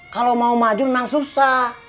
kalau mau maju menang susah